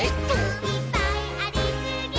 「いっぱいありすぎー！！」